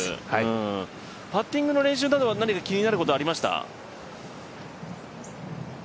パッティングの練習などは何か気になることはありました？